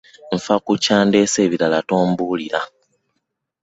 Nfa ku kyandeese ebirala tombuulira.